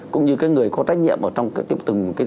cũng như cái người có trách nhiệm ở trong từng cái hội đồng thi